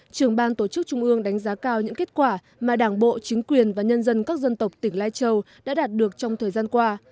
trưởng ban tổ chức trung ương đánh giá cao những kết quả mà đảng bộ chính quyền và nhân dân các dân tộc tỉnh lai châu đã đạt được trong thời gian qua